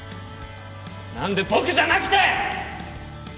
何で僕じゃなくて！